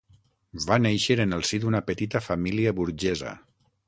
Va néixer en el si d'una petita família burgesa.